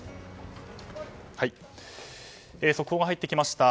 速報が入ってきました。